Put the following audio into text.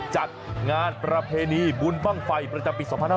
จัดงานประเพณีบุญบ้างไฟประจำปี๒๕๖๒